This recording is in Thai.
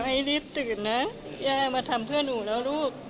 ให้รีบตื่นนะย่ามาทำเพื่อหนูแล้วลูก